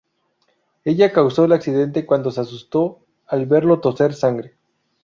Ella causó el accidente cuando se asustó al verlo toser sangre.